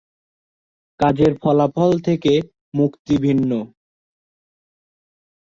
কাজের ফলাফল থেকে মুক্তি ভিন্ন।